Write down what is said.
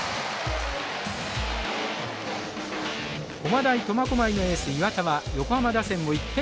駒大苫小牧のエース岩田は横浜打線を１点に抑える好投。